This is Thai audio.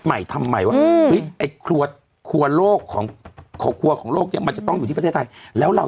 ไม่คิดถึงกวนโลกนะทุกวันนี้ในบ้านไม่มีกินเลย